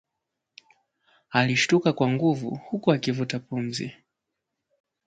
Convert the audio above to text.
Alishtuka kwa nguvu huku akivuta pumzi